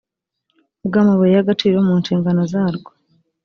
bw amabuye y agaciro mu nshingano zarwo